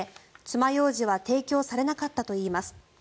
まようじは提供されなかったといいます。